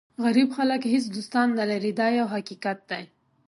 غریب خلک هېڅ دوستان نه لري دا یو حقیقت دی.